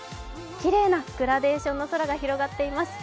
きれいなグラデーションの空が広がっていますね。